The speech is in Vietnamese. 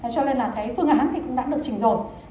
cho nên là cái phương án cũng đã được chỉnh rồi